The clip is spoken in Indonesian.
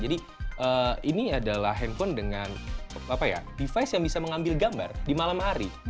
jadi ini adalah handphone dengan device yang bisa mengambil gambar di malam hari